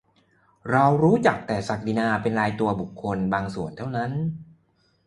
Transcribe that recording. เราก็รู้จักแต่ศักดินาเป็นรายตัวบุคคลบางส่วนเท่านั้น